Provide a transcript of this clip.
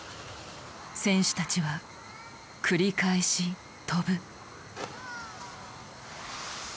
選手たちは繰り返し飛ぶ。